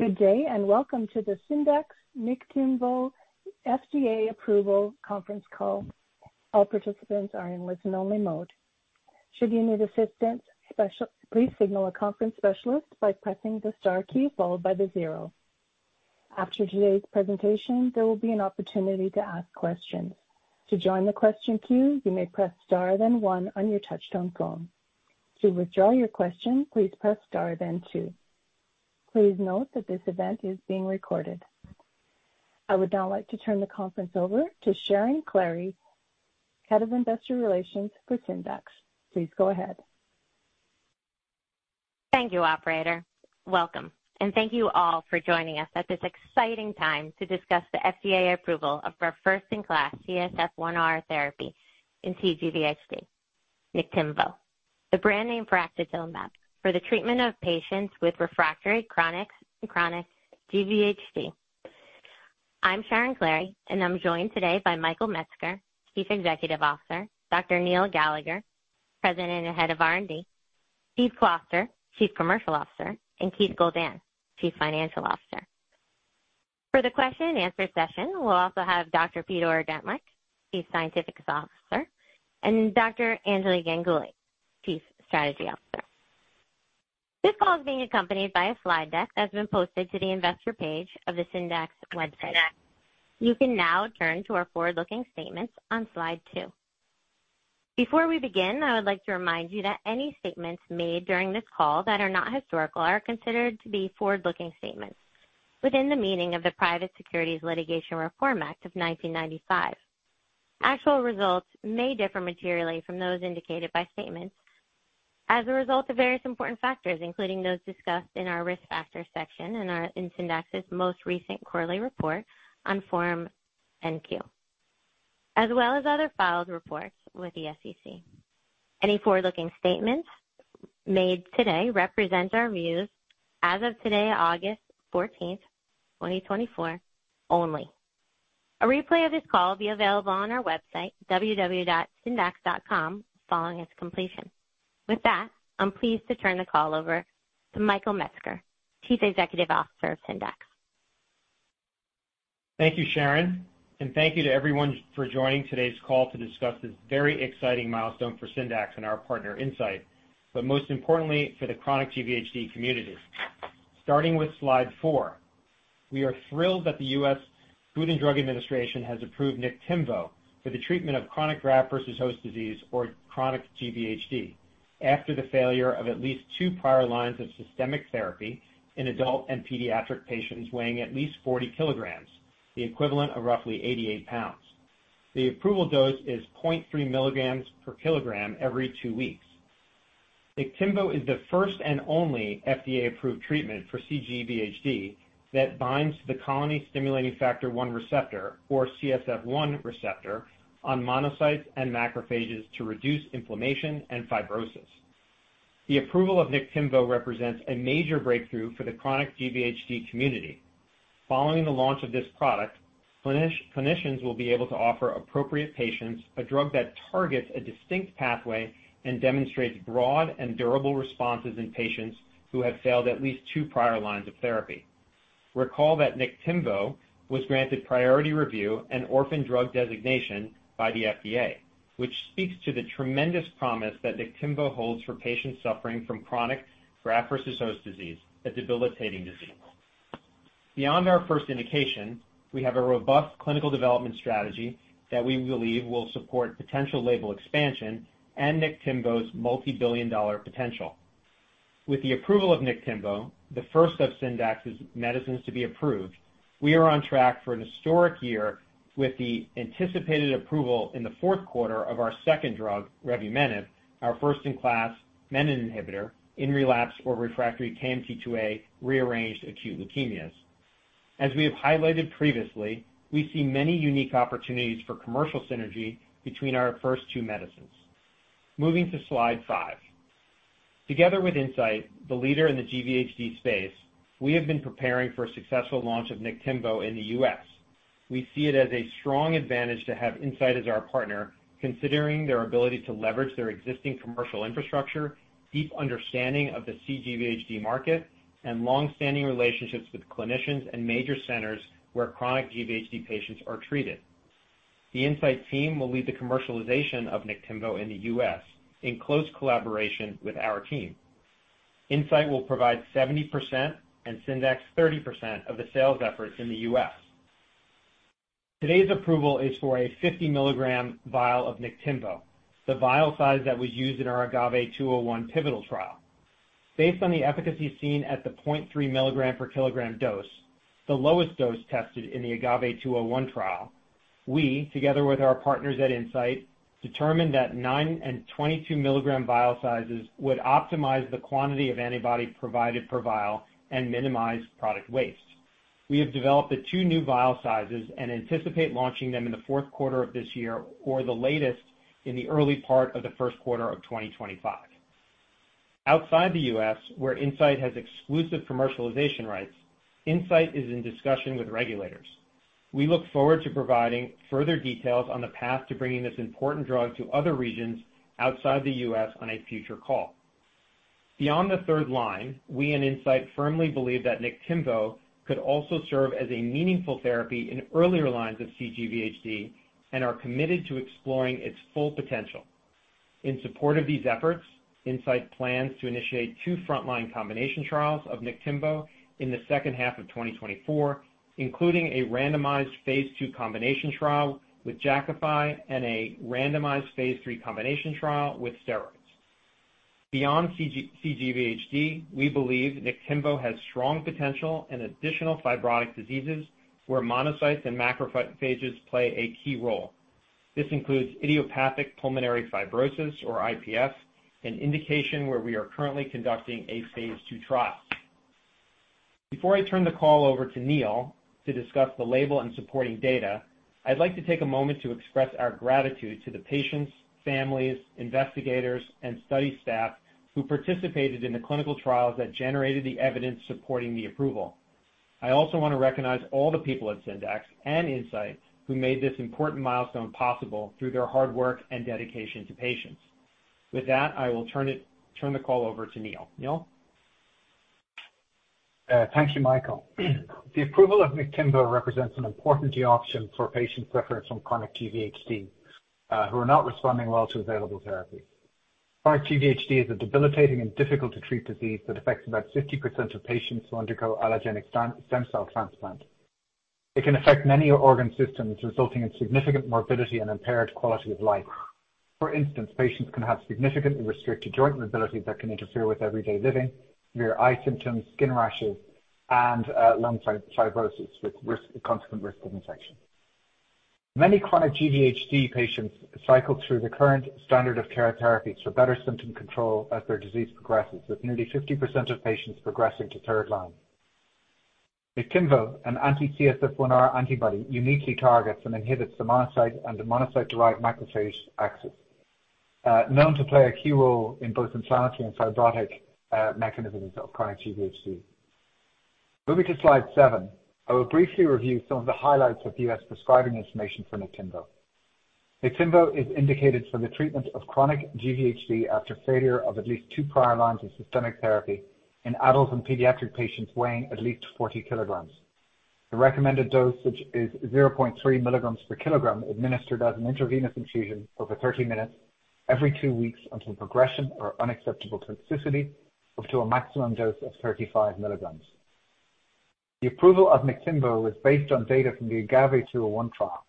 Good day, and welcome to the Syndax Niktimvo FDA approval conference call. All participants are in listen-only mode. Should you need assistance, please signal a conference specialist by pressing the star key followed by the zero. After today's presentation, there will be an opportunity to ask questions. To join the question queue, you may press star, then one on your touchtone phone. To withdraw your question, please press star, then two. Please note that this event is being recorded. I would now like to turn the conference over to Sharon Klahre, Head of Investor Relations for Syndax. Please go ahead. Thank you, operator. Welcome, and thank you all for joining us at this exciting time to discuss the FDA approval of our first-in-class CSF1R therapy in cGVHD, Niktimvo, the brand name for axatilimab, for the treatment of patients with refractory chronic GVHD. I'm Sharon Klahre, and I'm joined today by Michael Metzger, Chief Executive Officer, Dr. Neil Gallagher, President and Head of R&D, Steve Kloster, Chief Commercial Officer, and Keith Goldan, Chief Financial Officer. For the question and answer session, we'll also have Dr. Peter Ordentlich, Chief Scientific Officer, and Dr. Anjali Ganguli, Chief Strategy Officer. This call is being accompanied by a slide deck that's been posted to the investor page of the Syndax website. You can now turn to our forward-looking statements on slide two. Before we begin, I would like to remind you that any statements made during this call that are not historical are considered to be forward-looking statements within the meaning of the Private Securities Litigation Reform Act of 1995. Actual results may differ materially from those indicated by statements as a result of various important factors, including those discussed in our Risk Factors section in Syndax's most recent quarterly report on Form 10-Q, as well as other filed reports with the SEC. Any forward-looking statements made today represent our views as of today, August 14, 2024, only. A replay of this call will be available on our website, www.syndax.com, following its completion. With that, I'm pleased to turn the call over to Michael Metzger, Chief Executive Officer of Syndax. Thank you, Sharon, and thank you to everyone for joining today's call to discuss this very exciting milestone for Syndax and our partner, Incyte, but most importantly, for the chronic GVHD community. Starting with slide 4. We are thrilled that the U.S. Food and Drug Administration has approved Niktimvo for the treatment of chronic graft versus host disease or chronic GVHD, after the failure of at least 2 prior lines of systemic therapy in adult and pediatric patients weighing at least 40 kilograms, the equivalent of roughly 88 pounds. The approval dose is 0.3 milligrams per kilogram every 2 weeks. Niktimvo is the first and only FDA-approved treatment for cGVHD that binds the colony-stimulating factor 1 receptor, or CSF1 receptor, on monocytes and macrophages to reduce inflammation and fibrosis. The approval of Niktimvo represents a major breakthrough for the chronic GVHD community. Following the launch of this product, clinicians will be able to offer appropriate patients a drug that targets a distinct pathway and demonstrates broad and durable responses in patients who have failed at least two prior lines of therapy. Recall that Niktimvo was granted priority review and orphan drug designation by the FDA, which speaks to the tremendous promise that Niktimvo holds for patients suffering from chronic graft versus host disease, a debilitating disease. Beyond our first indication, we have a robust clinical development strategy that we believe will support potential label expansion and Niktimvo's multi-billion dollar potential. With the approval of Niktimvo, the first of Syndax's medicines to be approved, we are on track for an historic year with the anticipated approval in the fourth quarter of our second drug, revumenib, our first-in-class menin inhibitor in relapse or refractory KMT2A rearranged acute leukemias. As we have highlighted previously, we see many unique opportunities for commercial synergy between our first two medicines. Moving to slide 5. Together with Incyte, the leader in the GVHD space, we have been preparing for a successful launch of Niktimvo in the U.S. We see it as a strong advantage to have Incyte as our partner, considering their ability to leverage their existing commercial infrastructure, deep understanding of the cGVHD market, and long-standing relationships with clinicians and major centers where chronic GVHD patients are treated. The Incyte team will lead the commercialization of Niktimvo in the US in close collaboration with our team. Incyte will provide 70% and Syndax 30% of the sales efforts in the U.S. Today's approval is for a 50-mg vial of Niktimvo, the vial size that was used in our AGAVE 201 pivotal trial. Based on the efficacy seen at the 0.3mg/kg dose, the lowest dose tested in the AGAVE 201 trial, we, together with our partners at Incyte, determined that 9- and 22-mg vial sizes would optimize the quantity of antibody provided per vial and minimize product waste. We have developed the two new vial sizes and anticipate launching them in the fourth quarter of this year or the latest in the early part of the first quarter of 2025. Outside the U.S., where Incyte has exclusive commercialization rights, Incyte is in discussion with regulators. We look forward to providing further details on the path to bringing this important drug to other regions outside the U.S. on a future call. Beyond the third line, we and Incyte firmly believe that Niktimvo could also serve as a meaningful therapy in earlier lines of cGVHD, and are committed to exploring its full potential. In support of these efforts, Incyte plans to initiate two frontline combination trials of Niktimvo in the second half of 2024, including a randomized phase II combination trial with Jakafi and a randomized phase III combination trial with steroids. Beyond cGVHD, we believe Niktimvo has strong potential in additional fibrotic diseases where monocytes and macrophages play a key role. This includes idiopathic pulmonary fibrosis, or IPF, an indication where we are currently conducting a phase II trial. Before I turn the call over to Neil to discuss the label and supporting data, I'd like to take a moment to express our gratitude to the patients, families, investigators, and study staff who participated in the clinical trials that generated the evidence supporting the approval. I also want to recognize all the people at Syndax and Incyte who made this important milestone possible through their hard work and dedication to patients. With that, I will turn the call over to Neil. Neil? Thank you, Michael. The approval of Niktimvo represents an important new option for patients suffering from chronic GVHD, who are not responding well to available therapies. Chronic GVHD is a debilitating and difficult to treat disease that affects about 50% of patients who undergo allogeneic stem cell transplant. It can affect many organ systems, resulting in significant morbidity and impaired quality of life. For instance, patients can have significantly restricted joint mobility that can interfere with everyday living, severe eye symptoms, skin rashes, and lung fibrosis, with consequent risk of infection. Many chronic GVHD patients cycle through the current standard of care therapies for better symptom control as their disease progresses, with nearly 50% of patients progressing to third line. Niktimvo, an anti-CSF1R antibody, uniquely targets and inhibits the monocyte and the monocyte-derived macrophage axis, known to play a key role in both inflammatory and fibrotic mechanisms of chronic GVHD. Moving to slide 7, I will briefly review some of the highlights of the U.S. prescribing information for Niktimvo. Niktimvo is indicated for the treatment of chronic GVHD after failure of at least 2 prior lines of systemic therapy in adults and pediatric patients weighing at least 40Kg. The recommended dosage is 0.3mg/Kg, administered as an intravenous infusion over 30 minutes, every 2 weeks until progression or unacceptable toxicity, up to a maximum dose of 35mg. The approval of Niktimvo was based on data from the AGAVE 201 trial.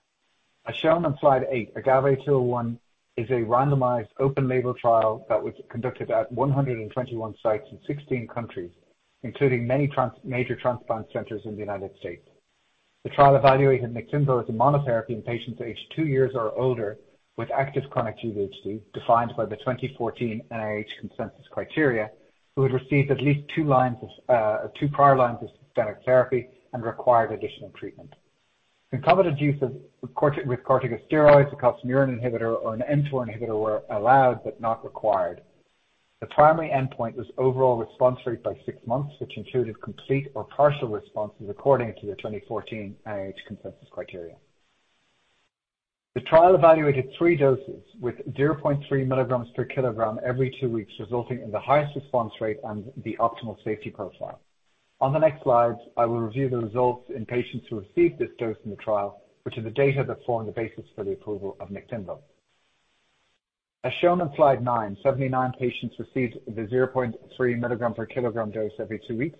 As shown on slide 8, AGAVE 201 is a randomized, open label trial that was conducted at 121 sites in 16 countries, including many major transplant centers in the United States. The trial evaluated Niktimvo as a monotherapy in patients aged two years or older with active chronic GVHD, defined by the 2014 NIH consensus criteria, who had received at least two lines of two prior lines of systemic therapy and required additional treatment. Concomitant use of with corticosteroids, a calcineurin inhibitor, or an mTOR inhibitor were allowed, but not required. The primary endpoint was overall response rate by six months, which included complete or partial responses according to the 2014 NIH consensus criteria. The trial evaluated three doses, with 0.3 mg/kg every two weeks, resulting in the highest response rate and the optimal safety profile. On the next slide, I will review the results in patients who received this dose in the trial, which are the data that form the basis for the approval of Niktimvo. As shown on slide 9, 79 patients received the 0.3 mg/kg dose every 2 weeks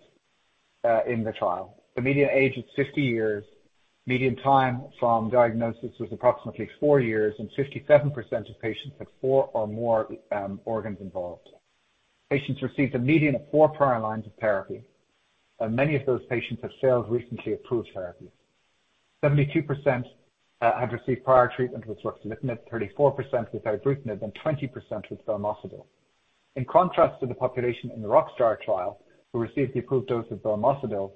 in the trial. The median age is 50 years. Median time from diagnosis was approximately 4 years, and 57% of patients had 4 or more organs involved. Patients received a median of 4 prior lines of therapy, and many of those patients had failed recently approved therapies. 72% had received prior treatment with ruxolitinib, 34% with ibrutinib, and 20% with vemurafenib. In contrast to the population in the ROCKSTAR trial, who received the approved dose of vemurafenib,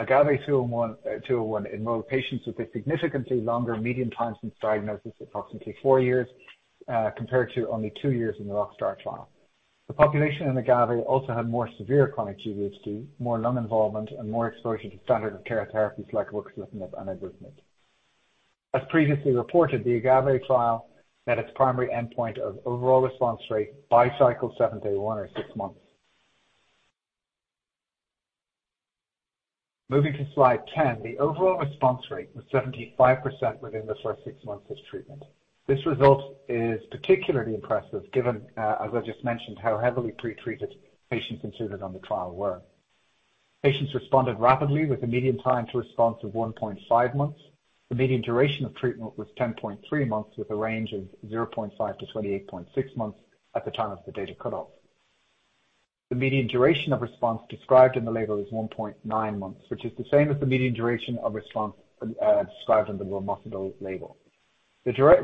AGAVE 201 enrolled patients with a significantly longer median time since diagnosis, approximately 4 years, compared to only 2 years in the ROCKSTAR trial. The population in AGAVE also had more severe chronic GVHD, more lung involvement, and more exposure to standard of care therapies like ruxolitinib and ibrutinib. As previously reported, the AGAVE trial met its primary endpoint of overall response rate by cycle 7, day 1 or 6 months. Moving to slide 10, the overall response rate was 75% within the first 6 months of treatment. This result is particularly impressive, given, as I just mentioned, how heavily pre-treated patients included on the trial were. Patients responded rapidly with a median time to response of 1.5 months. The median duration of treatment was 10.3 months, with a range of 0.5 to 28.6 months at the time of the data cutoff. The median duration of response described in the label is 1.9 months, which is the same as the median duration of response described on the vemurafenib label.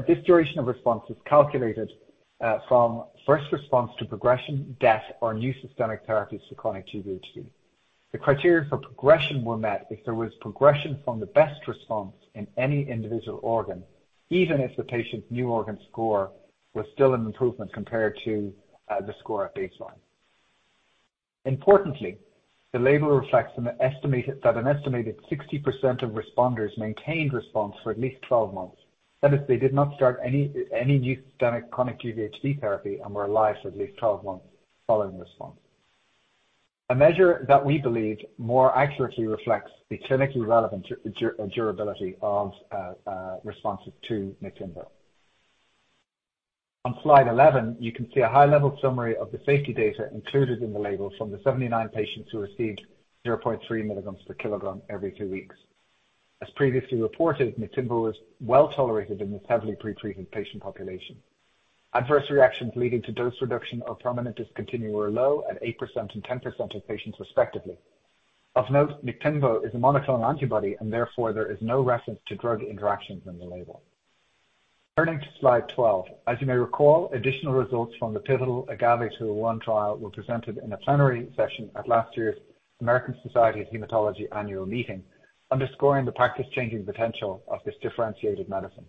This duration of response is calculated from first response to progression, death, or new systemic therapies to chronic GVHD. The criteria for progression were met if there was progression from the best response in any individual organ, even if the patient's new organ score was still an improvement compared to the score at baseline. Importantly, the label reflects that an estimated 60% of responders maintained response for at least 12 months, that is, they did not start any new systemic chronic GVHD therapy and were alive for at least 12 months following response. A measure that we believe more accurately reflects the clinically relevant durability of responses to Niktimvo. On slide 11, you can see a high-level summary of the safety data included in the label from the 79 patients who received 0.3 mg/kg every 2 weeks. As previously reported, Niktimvo was well tolerated in this heavily pretreated patient population. Adverse reactions leading to dose reduction or permanent discontinuation were low, at 8 and 10% of patients, respectively. Of note, Niktimvo is a monoclonal antibody, and therefore, there is no reference to drug interactions in the label. Turning to slide 12. As you may recall, additional results from the pivotal AGAVE-201 trial were presented in a plenary session at last year's American Society of Hematology annual meeting, underscoring the practice-changing potential of this differentiated medicine.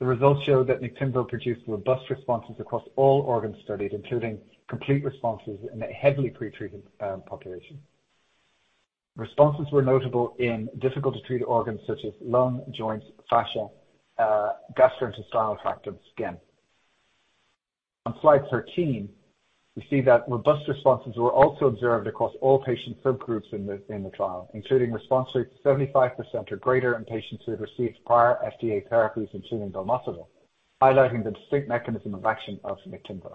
The results showed that Niktimvo produced robust responses across all organs studied, including complete responses in a heavily pretreated population. Responses were notable in difficult-to-treat organs such as lung, joints, fascia, gastrointestinal tract, and skin. On slide 13, we see that robust responses were also observed across all patient subgroups in the trial, including response rates 75% or greater in patients who had received prior FDA therapies, including velmuro, highlighting the distinct mechanism of action of Niktimvo.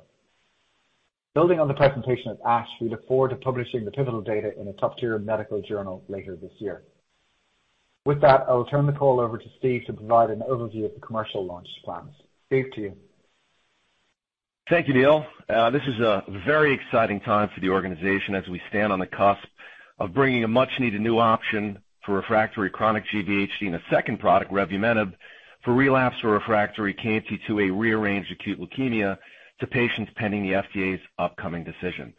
Building on the presentation at ASH, we look forward to publishing the pivotal data in a top-tier medical journal later this year. With that, I will turn the call over to Steve to provide an overview of the commercial launch plans. Steve, to you. Thank you, Neil. This is a very exciting time for the organization as we stand on the cusp of bringing a much-needed new option for refractory chronic GVHD, and a second product, revumenib, for relapse or refractory KMT2A rearranged acute leukemia to patients pending the FDA's upcoming decision.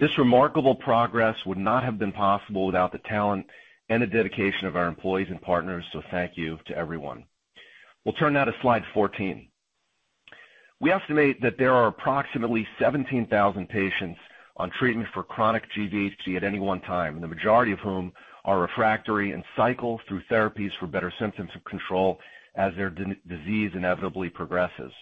This remarkable progress would not have been possible without the talent and the dedication of our employees and partners, so thank you to everyone. We'll turn now to slide 14. We estimate that there are approximately 17,000 patients on treatment for chronic GVHD at any one time, the majority of whom are refractory and cycle through therapies for better symptoms of control as their disease inevitably progresses.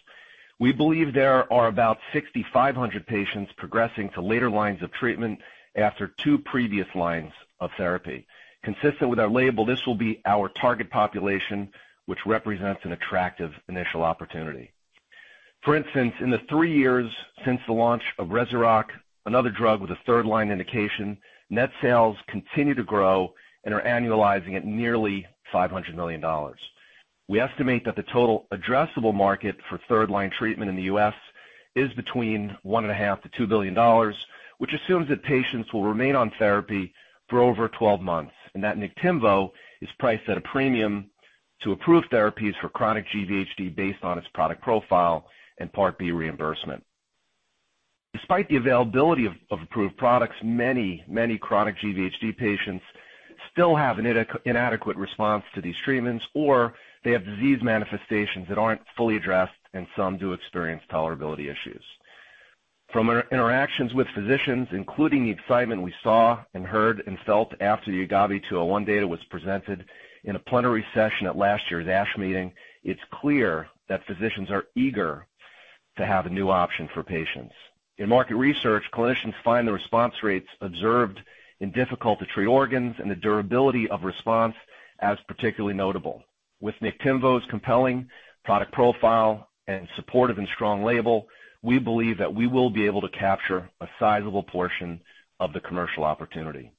We believe there are about 6,500 patients progressing to later lines of treatment after 2 previous lines of therapy. Consistent with our label, this will be our target population, which represents an attractive initial opportunity. For instance, in the 3 years since the launch of Rezurock, another drug with a third line indication, net sales continue to grow and are annualizing at nearly $500 million. We estimate that the total addressable market for third-line treatment in the U.S. is between $1.5-2 billion, which assumes that patients will remain on therapy for over 12 months, and that Niktimvo is priced at a premium to approved therapies for chronic GVHD based on its product profile and Part B reimbursement. Despite the availability of approved products, many, many chronic GVHD patients still have an inadequate response to these treatments, or they have disease manifestations that aren't fully addressed, and some do experience tolerability issues. From interactions with physicians, including the excitement we saw and heard and felt after the AGAVE-201 data was presented in a plenary session at last year's ASH meeting, it's clear that physicians are eager to have a new option for patients. In market research, clinicians find the response rates observed in difficult-to-treat organs and the durability of response as particularly notable. With Niktimvo's compelling product profile and supportive and strong label, we believe that we will be able to capture a sizable portion of the commercial opportunity.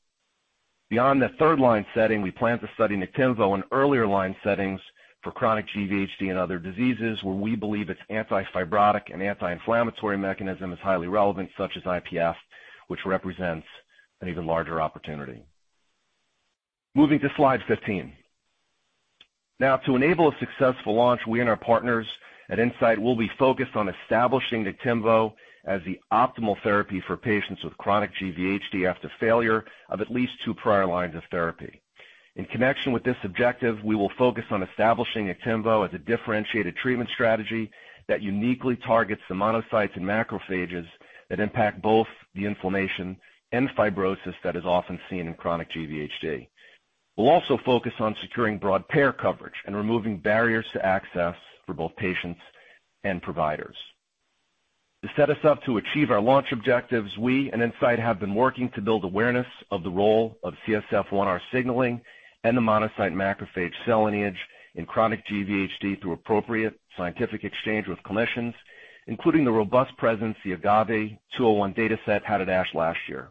Beyond the third-line setting, we plan to study Niktimvo in earlier line settings for chronic GVHD and other diseases, where we believe its anti-fibrotic and anti-inflammatory mechanism is highly relevant, such as IPF, which represents an even larger opportunity. Moving to slide 15. Now, to enable a successful launch, we and our partners at Incyte will be focused on establishing Niktimvo as the optimal therapy for patients with chronic GVHD after failure of at least two prior lines of therapy. In connection with this objective, we will focus on establishing Niktimvo as a differentiated treatment strategy that uniquely targets the monocytes and macrophages that impact both the inflammation and fibrosis that is often seen in chronic GVHD. We'll also focus on securing broad payer coverage and removing barriers to access for both patients and providers. To set us up to achieve our launch objectives, we and Incyte have been working to build awareness of the role of CSF1R signaling and the monocyte macrophage cell lineage in chronic GVHD through appropriate scientific exchange with clinicians, including the robust presence the AGAVE-201 data set had at ASH last year.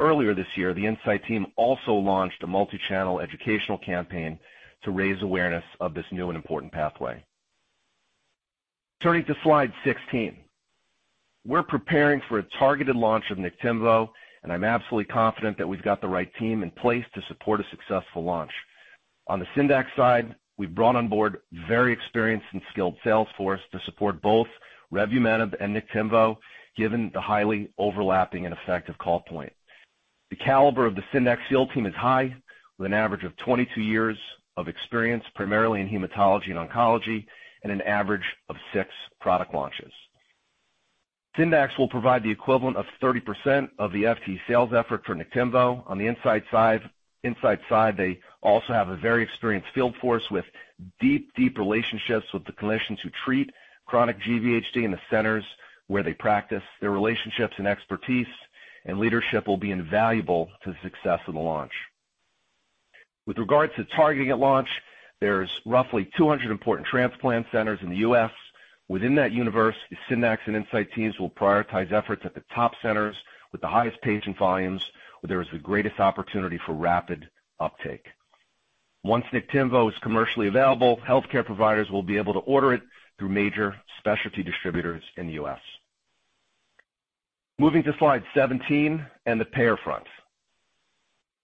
Earlier this year, the Incyte team also launched a multi-channel educational campaign to raise awareness of this new and important pathway. Turning to slide 16. We're preparing for a targeted launch of Niktimvo, and I'm absolutely confident that we've got the right team in place to support a successful launch. On the Syndax side, we've brought on board a very experienced and skilled sales force to support both Revuforj and Niktimvo, given the highly overlapping and effective call point. The caliber of the Syndax field team is high, with an average of 22 years of experience, primarily in hematology and oncology, and an average of six product launches. Syndax will provide the equivalent of 30% of the FT sales effort for Niktimvo. On the inside side, Inside Side, they also have a very experienced field force with deep, deep relationships with the clinicians who treat chronic GVHD in the centers where they practice. Their relationships and expertise and leadership will be invaluable to the success of the launch. With regards to targeting at launch, there's roughly 200 important transplant centers in the U.S. Within that universe, the Syndax and Incyte teams will prioritize efforts at the top centers with the highest patient volumes, where there is the greatest opportunity for rapid uptake. Once Niktimvo is commercially available, healthcare providers will be able to order it through major specialty distributors in the U.S. Moving to slide 17 and the payer front.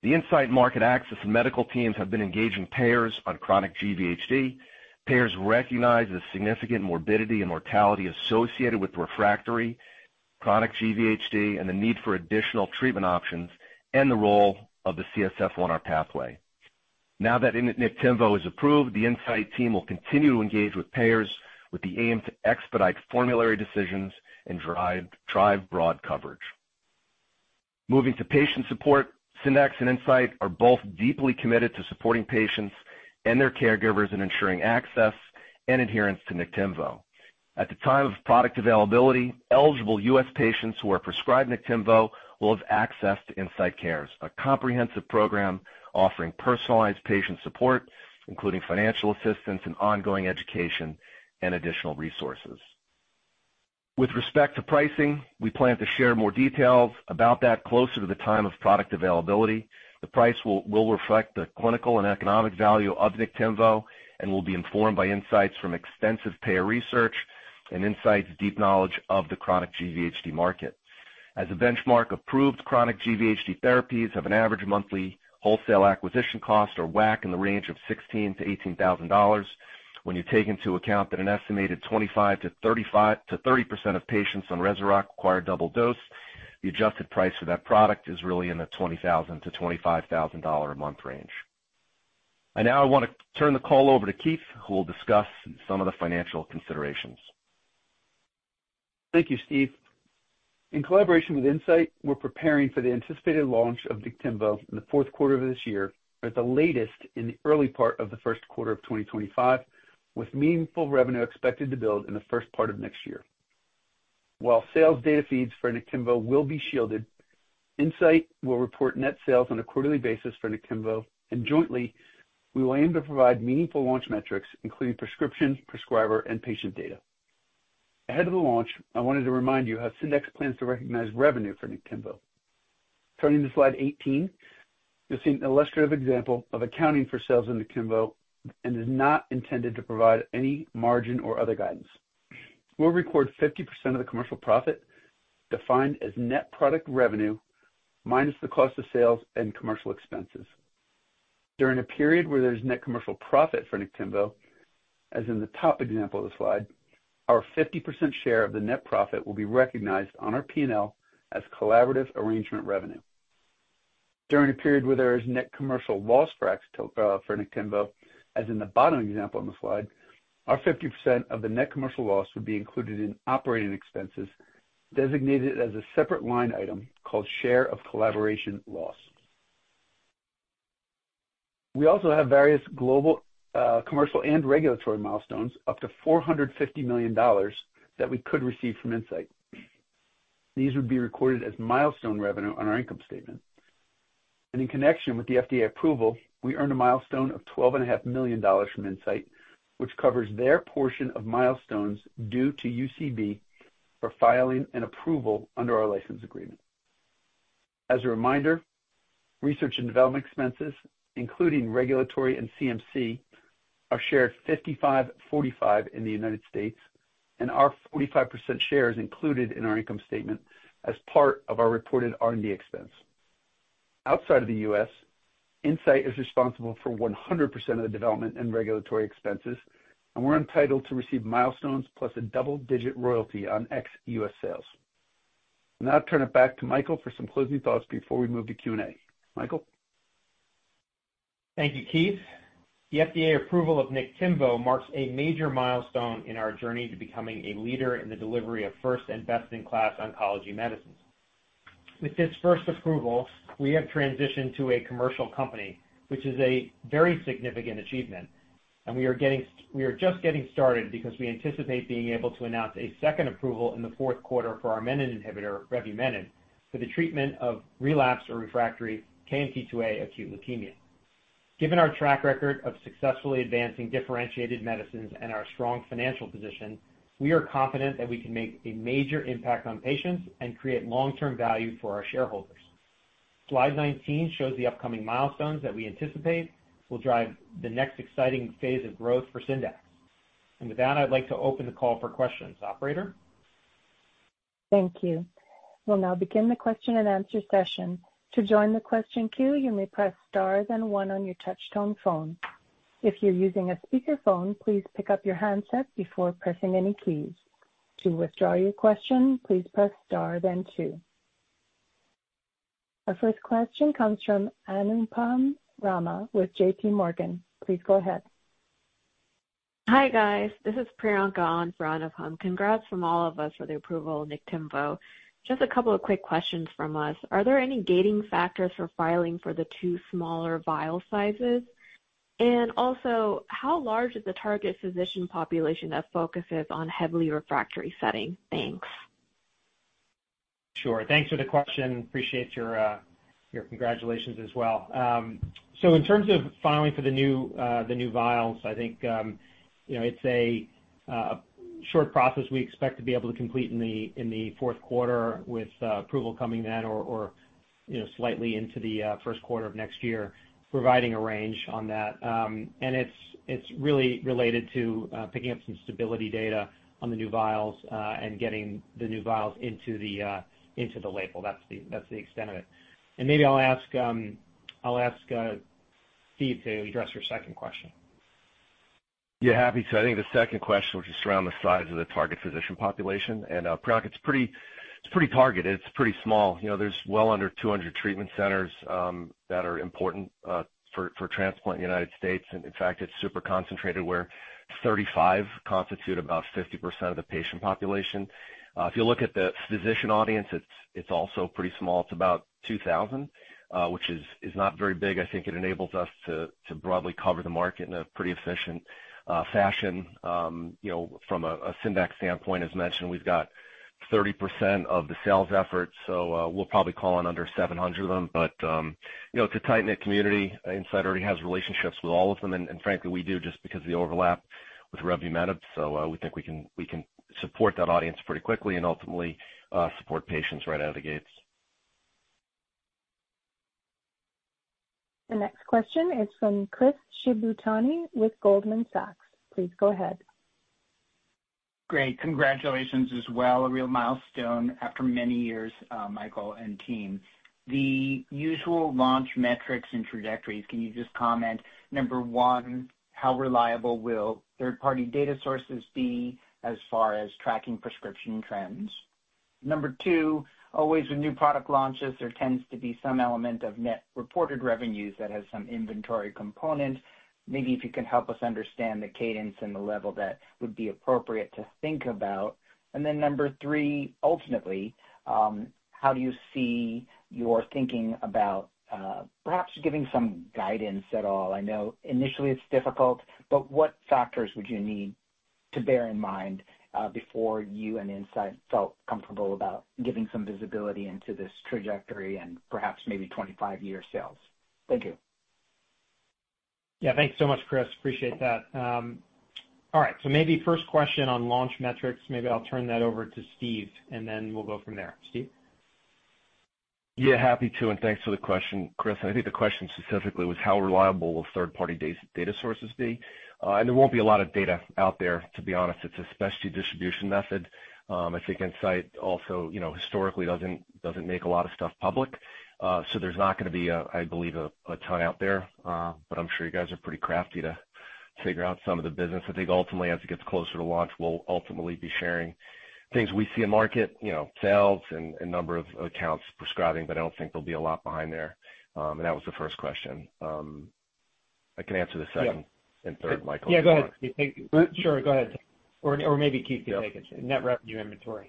The Incyte market access and medical teams have been engaging payers on chronic GVHD. Payers recognize the significant morbidity and mortality associated with refractory chronic GVHD and the need for additional treatment options and the role of the CSF1R pathway. Now that Niktimvo is approved, the Incyte team will continue to engage with payers with the aim to expedite formulary decisions and drive broad coverage. Moving to patient support, Syndax and Incyte are both deeply committed to supporting patients and their caregivers in ensuring access and adherence to Niktimvo. At the time of product availability, eligible U.S. patients who are prescribed Niktimvo will have access to Incyte Cares, a comprehensive program offering personalized patient support, including financial assistance and ongoing education and additional resources. With respect to pricing, we plan to share more details about that closer to the time of product availability. The price will reflect the clinical and economic value of Niktimvo and will be informed by Incytes from extensive payer research and Incyte's deep knowledge of the chronic GVHD market. As a benchmark, approved chronic GVHD therapies have an average monthly wholesale acquisition cost, or WAC, in the range of $16,000-18,000. When you take into account that an estimated 25-35% of patients on Rezurock require double dose, the adjusted price for that product is really in the $20,000-25,000 a month range. I now want to turn the call over to Keith, who will discuss some of the financial considerations. Thank you, Steve. In collaboration with Incyte, we're preparing for the anticipated launch of Niktimvo in the fourth quarter of this year, or at the latest, in the early part of the first quarter of 2025, with meaningful revenue expected to build in the first part of next year. While sales data feeds for Niktimvo will be shielded, Incyte will report net sales on a quarterly basis for Niktimvo, and jointly, we will aim to provide meaningful launch metrics, including prescription, prescriber, and patient data. Ahead of the launch, I wanted to remind you how Syndax plans to recognize revenue for Niktimvo. Turning to slide 18, you'll see an illustrative example of accounting for sales in Niktimvo and is not intended to provide any margin or other guidance. We'll record 50% of the commercial profit, defined as net product revenue minus the cost of sales and commercial expenses. During a period where there's net commercial profit for Niktimvo, as in the top example of the slide, our 50% share of the net profit will be recognized on our P&L as collaborative arrangement revenue. During a period where there is net commercial loss for Niktimvo, as in the bottom example on the slide, our 50% of the net commercial loss would be included in operating expenses, designated as a separate line item called "Share of Collaboration Loss." We also have various global commercial and regulatory milestones, up to $450 million, that we could receive from Incyte. These would be recorded as milestone revenue on our income statement. In connection with the FDA approval, we earned a milestone of $12.5 million from Incyte, which covers their portion of milestones due to UCB for filing and approval under our license agreement. As a reminder, research and development expenses, including regulatory and CMC, are shared 55/45 in the United States, and our 45% share is included in our income statement as part of our reported R&D expense. Outside of the U.S., Incyte is responsible for 100% of the development and regulatory expenses, and we're entitled to receive milestones plus a double-digit royalty on ex-US sales. Now I'll turn it back to Michael for some closing thoughts before we move to Q&A. Michael? Thank you, Keith. The FDA approval of Niktimvo marks a major milestone in our journey to becoming a leader in the delivery of first and best-in-class oncology medicines. With this first approval, we have transitioned to a commercial company, which is a very significant achievement, and we are just getting started because we anticipate being able to announce a second approval in the fourth quarter for our menin inhibitor, revumenib, for the treatment of relapsed or refractory KMT2A acute leukemia. Given our track record of successfully advancing differentiated medicines and our strong financial position, we are confident that we can make a major impact on patients and create long-term value for our shareholders. Slide 19 shows the upcoming milestones that we anticipate will drive the next exciting phase of growth for Syndax. And with that, I'd like to open the call for questions. Operator? Thank you. We'll now begin the question-and-answer session. To join the question queue, you may press star then one on your touchtone phone. If you're using a speakerphone, please pick up your handset before pressing any keys.... To withdraw your question, please press star then two. Our first question comes from Anupam Rama with JPMorgan. Please go ahead. Hi, guys. This is Priyanka on for Anupam. Congrats from all of us for the approval of Niktimvo. Just a couple of quick questions from us. Are there any gating factors for filing for the two smaller vial sizes? And also, how large is the target physician population that focuses on heavily refractory setting? Thanks. Sure. Thanks for the question. Appreciate your, your congratulations as well. So in terms of filing for the new, the new vials, I think, you know, it's a, short process we expect to be able to complete in the, in the fourth quarter with, approval coming then, or, or, you know, slightly into the, first quarter of next year, providing a range on that. And it's, it's really related to, picking up some stability data on the new vials, and getting the new vials into the, into the label. That's the, that's the extent of it. And maybe I'll ask, I'll ask, Steve to address your second question. Yeah, happy to. I think the second question, which is around the size of the target physician population, and, Priyanka, it's pretty, it's pretty targeted. It's pretty small. You know, there's well under 200 treatment centers that are important for transplant in the United States. And in fact, it's super concentrated, where 35 constitute about 50% of the patient population. If you look at the physician audience, it's also pretty small. It's about 2,000, which is not very big. I think it enables us to broadly cover the market in a pretty efficient fashion. You know, from a Syndax standpoint, as mentioned, we've got 30% of the sales effort, so we'll probably call on under 700 of them. But you know, it's a tight-knit community. Incyte already has relationships with all of them, and frankly, we do just because of the overlap with Revumenib. So, we think we can support that audience pretty quickly and ultimately support patients right out of the gates. The next question is from Chris Shibutani with Goldman Sachs. Please go ahead. Great. Congratulations as well. A real milestone after many years, Michael and team. The usual launch metrics and trajectories, can you just comment, number one, how reliable will third-party data sources be as far as tracking prescription trends? Number two, always with new product launches, there tends to be some element of net reported revenues that has some inventory component. Maybe if you can help us understand the cadence and the level that would be appropriate to think about. And then number three, ultimately, how do you see your thinking about, perhaps giving some guidance at all? I know initially it's difficult, but what factors would you need to bear in mind, before you and Incyte felt comfortable about giving some visibility into this trajectory and perhaps maybe 25-year sales? Thank you. Yeah, thanks so much, Chris. Appreciate that. All right, so maybe first question on launch metrics. Maybe I'll turn that over to Steve, and then we'll go from there. Steve? Yeah, happy to, and thanks for the question, Chris. I think the question specifically was how reliable will third-party data sources be? And there won't be a lot of data out there, to be honest. It's a specialty distribution method. I think Incyte also, you know, historically doesn't make a lot of stuff public. So there's not gonna be, I believe, a ton out there, but I'm sure you guys are pretty crafty to figure out some of the business. I think ultimately, as it gets closer to launch, we'll ultimately be sharing things we see in market, you know, sales and number of accounts prescribing, but I don't think there'll be a lot behind there. And that was the first question. I can answer the second-Yeah. - and third, Michael. Yeah, go ahead, Steve. Mm-hmm? Sure, go ahead. Or, maybe Keith can take it, net revenue inventory.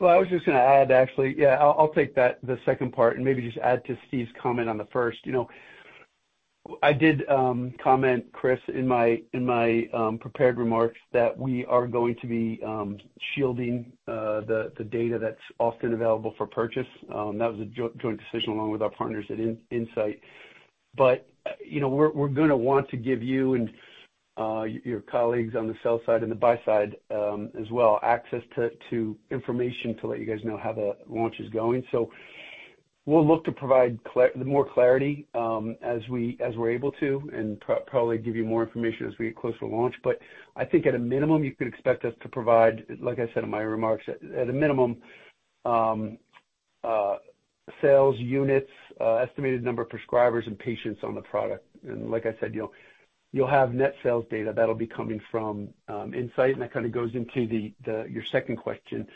Well, I was just gonna add, actually. Yeah, I'll take that, the second part, and maybe just add to Steve's comment on the first. You know, I did comment, Chris, in my prepared remarks, that we are going to be shielding the data that's often available for purchase. That was a joint decision along with our partners at Incyte. But, you know, we're gonna want to give you and your colleagues on the sell side and the buy side, as well, access to information to let you guys know how the launch is going. So we'll look to provide more clarity as we're able to, and probably give you more information as we get closer to launch. But I think at a minimum, you could expect us to provide, like I said in my remarks, at a minimum, sales units, estimated number of prescribers and patients on the product. And like I said, you'll have net sales data that'll be coming from Incyte, and that kind of goes into your second question,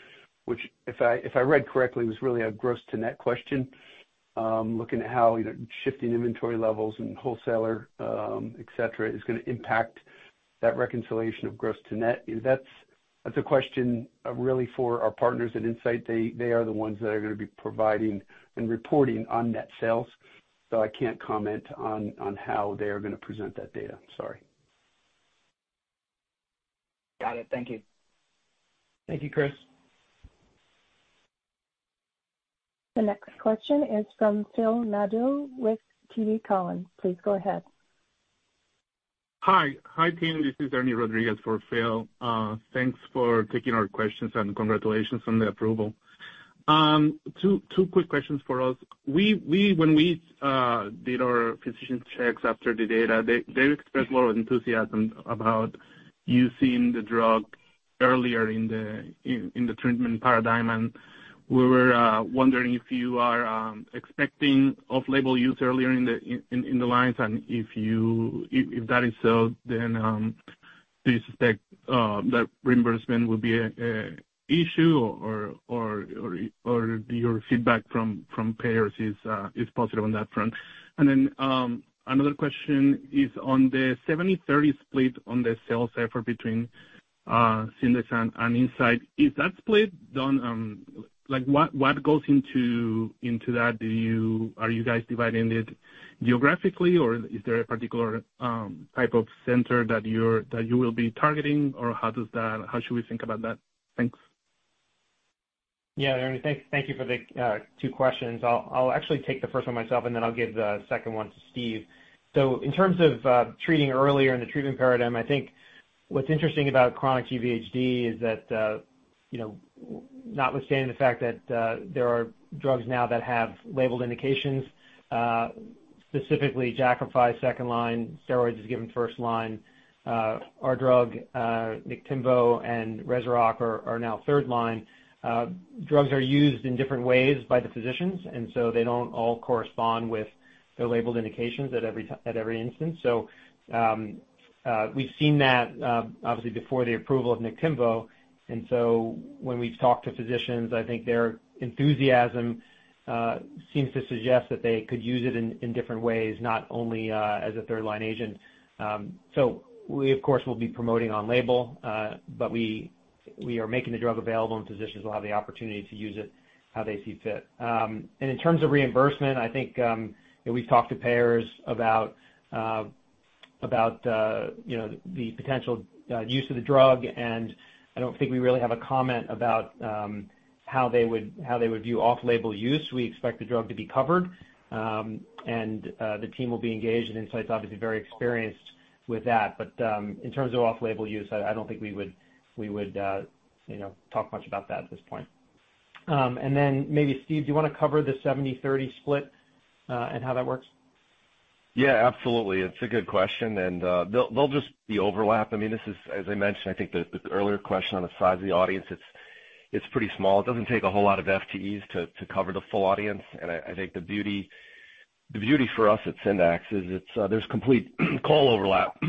which, if I read correctly, was really a gross to net question, looking at how, you know, shifting inventory levels and wholesaler et cetera is gonna impact that reconciliation of gross to net. That's a question really for our partners at Incyte. They are the ones that are gonna be providing and reporting on net sales, so I can't comment on how they are gonna present that data. Sorry. Got it. Thank you. Thank you, Chris. The next question is from Phil Nadel with TD Cowen. Please go ahead. Hi. Hi, team. This is Ernie Rodriguez for Phil. Thanks for taking our questions, and congratulations on the approval. Two quick questions for us. We, when we did our physician checks after the data, they expressed a lot of enthusiasm about using the drug earlier in the treatment paradigm, and we were wondering if you are expecting off-label use earlier in the lines, and if that is so, then do you suspect that reimbursement will be an issue or your feedback from payers is positive on that front? And then, another question is on the 70/30 split on the sales effort between Syndax and Incyte. Is that split done? Like, what goes into that? Are you guys dividing it geographically, or is there a particular type of center that you will be targeting, or how should we think about that? Thanks. Yeah, Ernie, thank you for the two questions. I'll actually take the first one myself, and then I'll give the second one to Steve. So in terms of treating earlier in the treatment paradigm, I think what's interesting about chronic GVHD is that, you know, notwithstanding the fact that there are drugs now that have labeled indications, specifically Jakafi, second line, steroids is given first line. Our drug, Niktimvo and Revurock are now third line. Drugs are used in different ways by the physicians, and so they don't all correspond with the labeled indications at every instance. So, we've seen that, obviously, before the approval of Niktimvo, and so when we've talked to physicians, I think their enthusiasm seems to suggest that they could use it in different ways, not only as a third-line agent. So we, of course, will be promoting on label, but we are making the drug available, and physicians will have the opportunity to use it how they see fit. And in terms of reimbursement, I think we've talked to payers about you know, the potential use of the drug, and I don't think we really have a comment about how they would view off-label use. We expect the drug to be covered, and the team will be engaged, and Incyte's obviously very experienced with that. But, in terms of off-label use, I don't think we would, you know, talk much about that at this point. And then maybe, Steve, do you want to cover the 70-30 split, and how that works? Yeah, absolutely. It's a good question, and they'll just be overlap. I mean, this is, as I mentioned, I think the earlier question on the size of the audience, it's pretty small. It doesn't take a whole lot of FTEs to cover the full audience. And I think the beauty for us at Syndax is it's, there's complete call overlap.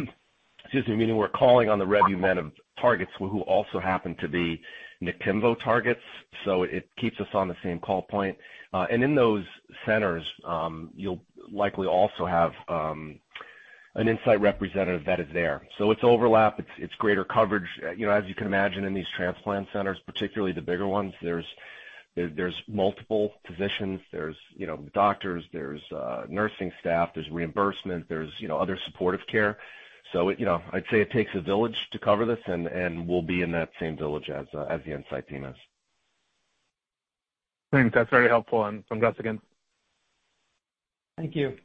Excuse me. Meaning we're calling on the Revumenib targets, who also happen to be Niktimvo targets, so it keeps us on the same call point. And in those centers, you'll likely also have an Incyte representative that is there. So it's overlap, it's greater coverage. You know, as you can imagine, in these transplant centers, particularly the bigger ones, there's multiple physicians, there's, you know, doctors, there's nursing staff, there's reimbursement, there's, you know, other supportive care. So, you know, I'd say it takes a village to cover this, and we'll be in that same village as the Incyte team is. Thanks. That's very helpful, and congrats again. Thank you.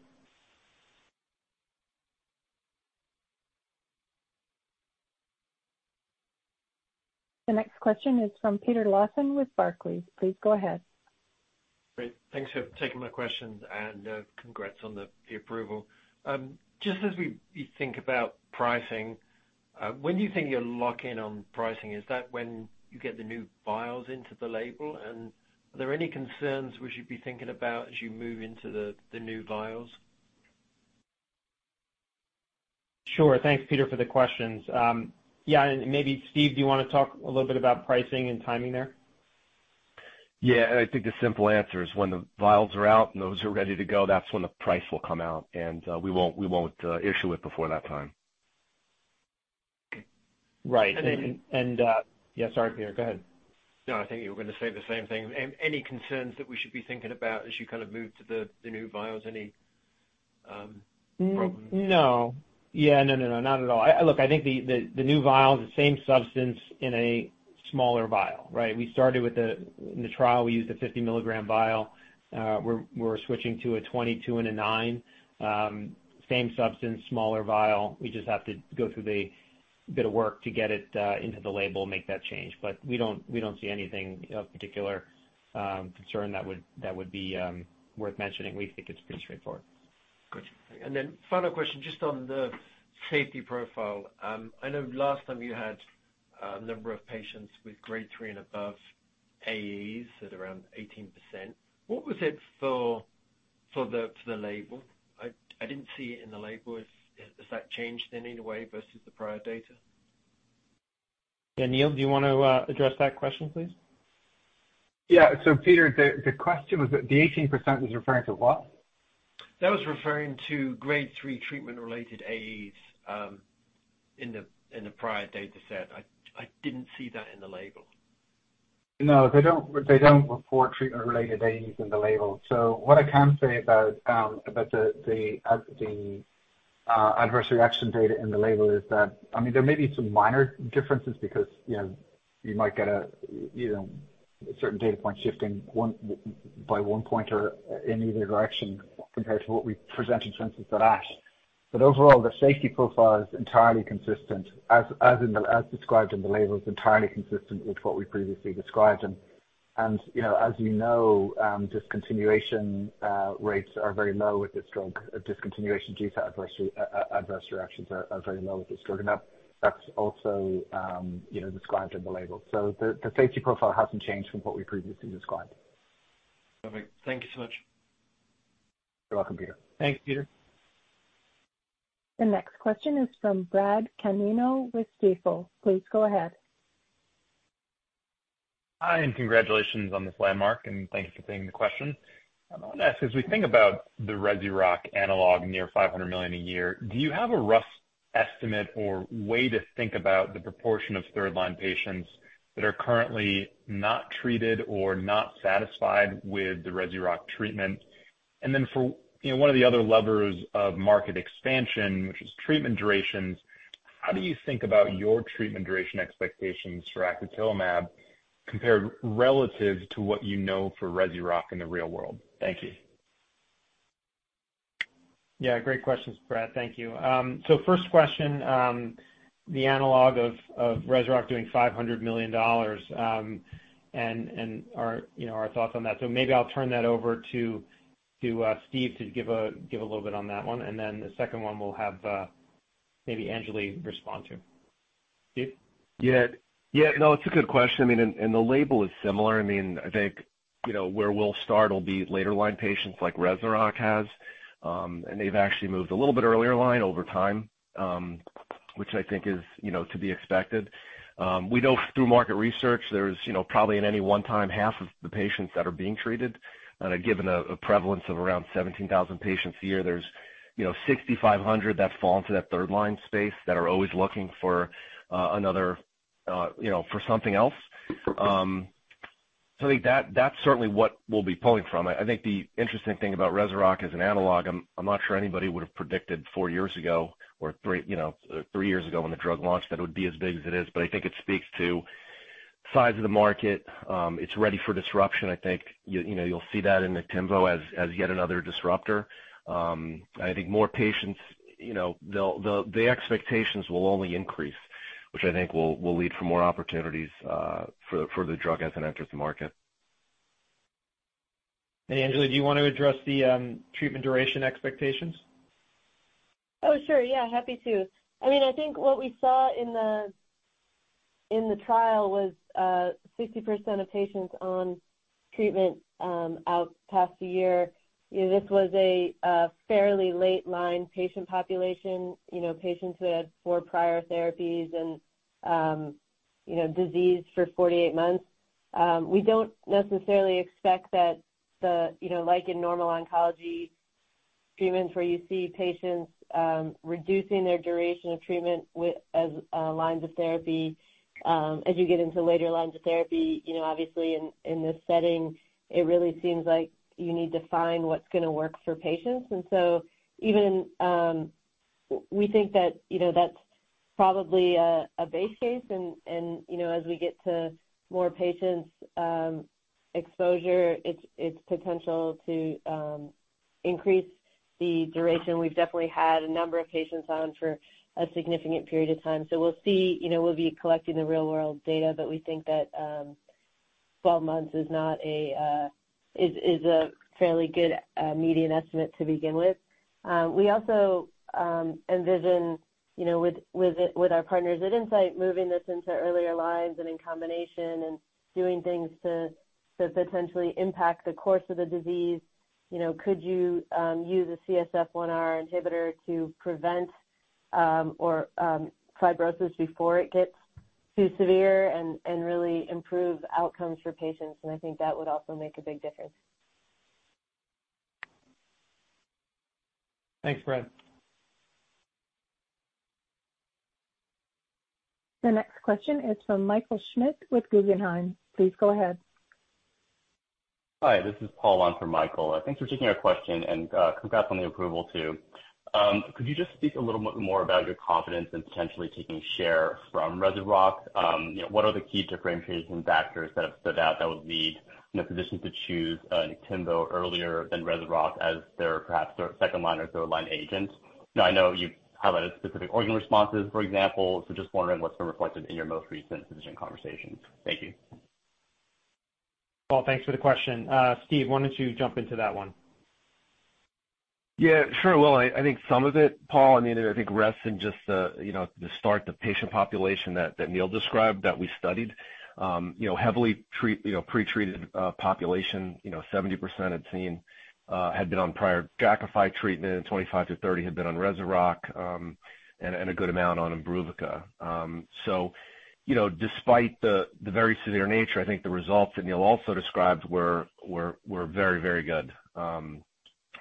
The next question is from Peter Lawson with Barclays. Please go ahead. Great. Thanks for taking my questions, and congrats on the approval. Just as we think about pricing, when do you think you'll lock in on pricing? Is that when you get the new vials into the label? And are there any concerns we should be thinking about as you move into the new vials? Sure. Thanks, Peter, for the questions. Yeah, and maybe Steve, do you want to talk a little bit about pricing and timing there? Yeah, and I think the simple answer is when the vials are out and those are ready to go, that's when the price will come out, and we won't issue it before that time. Right. And, and- Yeah, sorry, Peter. Go ahead. No, I think you were going to say the same thing. And any concerns that we should be thinking about as you kind of move to the new vials? Any problems? No. Yeah, no, no, no, not at all. I look, I think the new vial is the same substance in a smaller vial, right? We started with the... In the trial, we used a 50-mg vial. We're switching to a 22 and a 9. Same substance, smaller vial. We just have to go through the bit of work to get it into the label, make that change. But we don't see anything of particular concern that would be worth mentioning. We think it's pretty straightforward. Gotcha. And then final question, just on the safety profile. I know last time you had a number of patients with grade 3 and above AEs at around 18%. What was it for the label? I didn't see it in the label. Has that changed in any way versus the prior data? Yeah, Neil, do you want to address that question, please? Yeah. So Peter, the question was, the 18% was referring to what? That was referring to grade three treatment-related AEs in the prior dataset. I didn't see that in the label. No, they don't. They don't report treatment-related AEs in the label. So what I can say about the adverse reaction data in the label is that, I mean, there may be some minor differences because, you know, you might get a certain data point shifting 1 point by 1 point or in either direction compared to what we presented since it's at ASH. But overall, the safety profile is entirely consistent. As described in the label, it's entirely consistent with what we previously described. And, you know, discontinuation rates are very low with this drug. Discontinuation due to adverse reactions are very low with this drug, and that's also, you know, described in the label. So the safety profile hasn't changed from what we previously described. Perfect. Thank you so much. You're welcome, Peter. Thanks, Peter. The next question is from Brad Canino with Stifel. Please go ahead. Hi, and congratulations on this landmark, and thanks for taking the question. I want to ask, as we think about the Rezurock analog near $500 million a year, do you have a rough estimate or way to think about the proportion of third-line patients that are currently not treated or not satisfied with the Rezurock treatment? And then for, you know, one of the other levers of market expansion, which is treatment durations, how do you think about your treatment duration expectations for axatilimab compared relative to what you know for Rezurock in the real world? Thank you. Yeah, great questions, Brad. Thank you. So first question, the analog of Rezurock doing $500 million, and our, you know, our thoughts on that. So maybe I'll turn that over to Steve to give a little bit on that one, and then the second one we'll have, maybe Anjali respond to. Steve? Yeah. Yeah, no, it's a good question. I mean, the label is similar. I mean, I think, you know, where we'll start will be later line patients like Rezurock has, and they've actually moved a little bit earlier line over time, which I think is, you know, to be expected. We know through market research there's, you know, probably in any one time, half of the patients that are being treated, and given a prevalence of around 17,000 patients a year, there's, you know, 6,500 that fall into that third line space that are always looking for another, you know, for something else. So I think that, that's certainly what we'll be pulling from. I think the interesting thing about Rezurock as an analog, I'm not sure anybody would have predicted 4 years ago or 3, you know, 3 years ago when the drug launched, that it would be as big as it is. But I think it speaks to size of the market. It's ready for disruption. I think you know, you'll see that in Niktimvo as yet another disruptor. I think more patients, you know, they'll, the expectations will only increase, which I think will lead for more opportunities, for the drug as it enters the market. Anjali, do you want to address the treatment duration expectations? Oh, sure. Yeah, happy to. I mean, I think what we saw in the trial was, 60% of patients on treatment out past a year. You know, this was a fairly late line patient population, you know, patients who had 4 prior therapies and, you know, disease for 48 months. We don't necessarily expect that the, you know, like in normal oncology treatments where you see patients reducing their duration of treatment with, as, lines of therapy, as you get into later lines of therapy, you know, obviously in this setting, it really seems like you need to find what's gonna work for patients. And so even we think that, you know, that's probably a base case and, you know, as we get to more patients' exposure, it's potential to increase the duration. We've definitely had a number of patients on for a significant period of time. So we'll see. You know, we'll be collecting the real-world data, but we think that 12 months is a fairly good median estimate to begin with. We also envision, you know, with our partners at Incyte, moving this into earlier lines and in combination and doing things to potentially impact the course of the disease. You know, could you use a CSF1R inhibitor to prevent or fibrosis before it gets too severe and really improve outcomes for patients? I think that would also make a big difference. Thanks, Brad. The next question is from Michael Schmidt with Guggenheim. Please go ahead. Hi, this is Paul on for Michael. Thanks for taking our question, and congrats on the approval, too. Could you just speak a little more about your confidence in potentially taking share from Rezurock? You know, what are the key differentiation factors that have stood out that would lead the physicians to choose Niktimvo earlier than Rezurock as their, perhaps, their second line or third line agent? Now, I know you've highlighted specific organ responses, for example, so just wondering what's been reflected in your most recent physician conversations. Thank you. Paul, thanks for the question. Steve, why don't you jump into that one? Yeah, sure will. I think some of it, Paul, I mean, I think rests in just the, you know, the start, the patient population that Neil described, that we studied. You know, heavily treat, you know, pretreated population, you know, 70% had seen, had been on prior Jakafi treatment, and 25-30 had been on Rezurock, and a good amount on Imbruvica. So, you know, despite the very severe nature, I think the results that Neil also described were very, very good.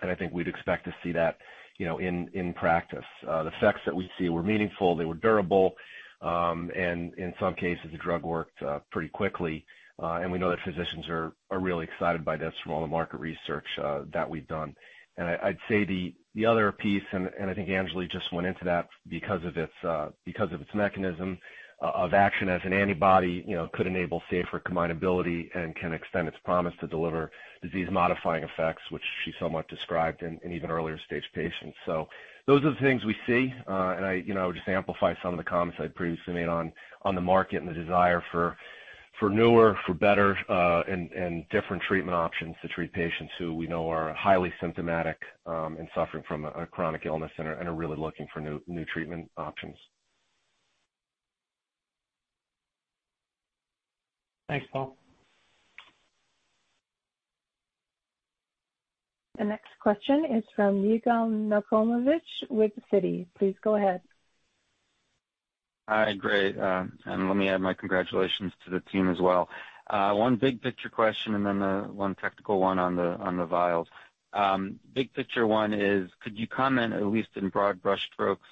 And I think we'd expect to see that, you know, in practice. The effects that we see were meaningful, they were durable, and in some cases, the drug worked pretty quickly. And we know that physicians are really excited by this from all the market research that we've done. And I'd say the other piece, and I think Anjali just went into that, because of its mechanism of action as an antibody, you know, could enable safer combinability and can extend its promise to deliver disease-modifying effects, which she somewhat described in even earlier stage patients. So those are the things we see. And I, you know, I would just amplify some of the comments I previously made on the market and the desire for newer, for better, and different treatment options to treat patients who we know are highly symptomatic, and suffering from a chronic illness and are really looking for new treatment options. Thanks, Paul. The next question is from Yigal Nochomovitz with Citi. Please go ahead. Hi, great. Let me add my congratulations to the team as well. One big picture question, and then one technical one on the vials. Big picture one is, could you comment, at least in broad brush strokes,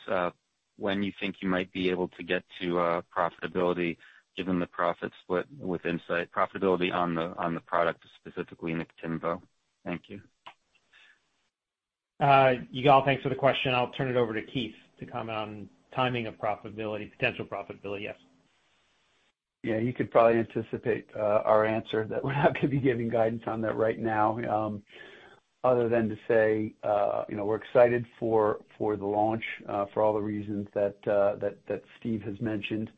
when you think you might be able to get to profitability, given the profit split with Incyte, profitability on the product, specifically Niktimvo? Thank you. Yigal, thanks for the question. I'll turn it over to Keith to comment on timing of profitability. Potential profitability, yes. Yeah, you could probably anticipate our answer that we're not going to be giving guidance on that right now, other than to say, you know, we're excited for the launch for all the reasons that Steve has mentioned.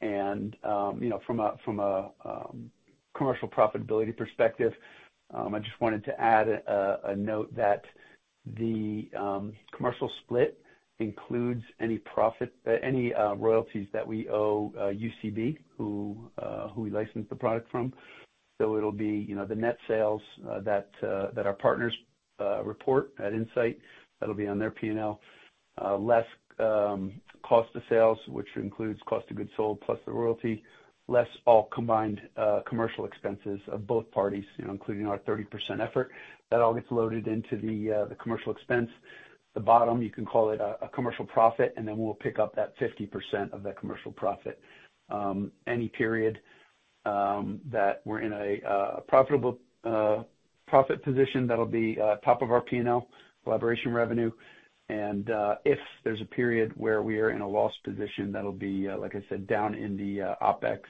And, you know, from a commercial profitability perspective, I just wanted to add a note that the commercial split includes any royalties that we owe UCB, who we licensed the product from. So it'll be, you know, the net sales that our partners report at Incyte. That'll be on their P&L, less cost of sales, which includes cost of goods sold, plus the royalty, less all combined commercial expenses of both parties, you know, including our 30% effort. That all gets loaded into the, the commercial expense. The bottom, you can call it a, a commercial profit, and then we'll pick up that 50% of that commercial profit. Any period that we're in a, profitable, profit position, that'll be, top of our P&L, collaboration revenue. If there's a period where we are in a loss position, that'll be, like I said, down in the, OpEx,